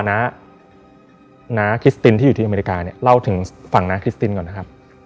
น้าน้าคริสตินที่อยู่ที่อเมริกาเนี่ยเล่าถึงฝั่งน้าคริสตินก่อนนะครับ